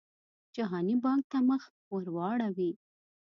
جهاني بانک ته مخ ورواړوي.